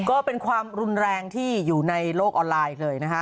ก็เป็นความรุนแรงที่อยู่ในโลกออนไลน์เลยนะฮะ